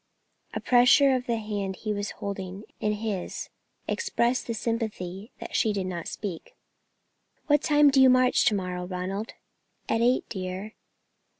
A pressure of the hand which he was holding in his expressed the sympathy that she did not speak. "What time do you march to morrow, Ronald?" "At eight, dear."